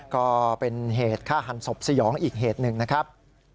ก็เป็นเหตุฆ่าหันศพสยองอีกเหตุหนึ่งนะครับ